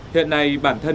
hiện nay bản thân